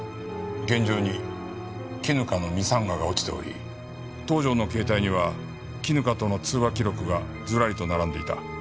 現場に絹香のミサンガが落ちており東条の携帯には絹香との通話記録がずらりと並んでいた。